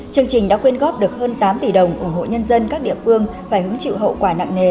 chương trình đã quyên góp được hơn tám tỷ đồng ủng hộ nhân dân các địa phương phải hứng chịu hậu quả nặng nề